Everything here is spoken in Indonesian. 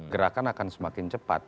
gerakan akan semakin cepat